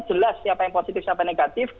jelas siapa yang positif siapa yang negatif